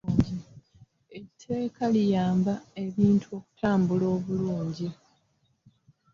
Etteeka liyamba ebintu okutambula obulungi.